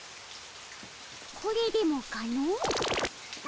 これでもかの。